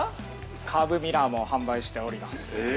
◆カーブミラーも販売しております。